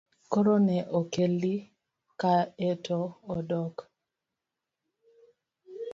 Koro ne okeli kaeto odok?